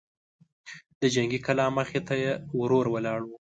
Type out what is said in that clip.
د جنګي کلا مخې ته يې ورور ولاړ و.